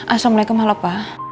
assalamualaikum mahalo pak